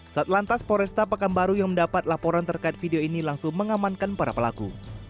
setelah lantas poresta pekembaru yang mendapat laporan terkait video ini langsung mengamankan para pelaku